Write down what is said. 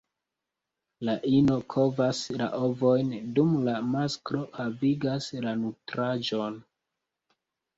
La ino kovas la ovojn, dum la masklo havigas la nutraĵon.